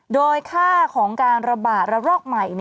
โดยค่าของการระบาดระลอกใหม่